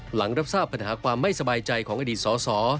หลังรับทราบปัญหาความไม่สบายใจของอดีตสส